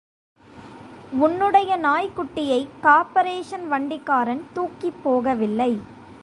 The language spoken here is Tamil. உன்னுடைய நாய்க்குட்டியைக் கார்ப்பரேஷன் வண்டிக்காரன் தூக்கிப் போகவில்லை.